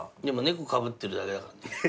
でも猫かぶってるだけだからね。